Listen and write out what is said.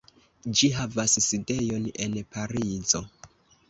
Ĝi havas sidejon en Parizo.